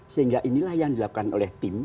sehingga inilah yang dilakukan oleh tim